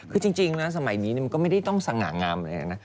คือจริงนะสมัยนี้มันก็ไม่ได้ต้องสง่างามอะไรนะ